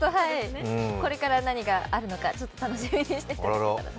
これから何があるのか、ちょっと楽しみにしてくれていたら。